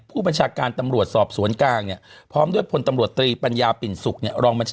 ผู้บัญชาการตำรวจสอบสวนกลางเนี่ยพร้อมด้วยพลตำรวจตรีปัญญาปิ่นสุขเนี่ยรองบัญชา